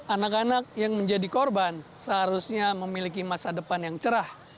anak anak yang menjadi korban seharusnya memiliki masa depan yang cerah